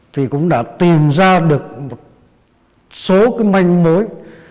thì cũng đã tìm ra được một số manh mới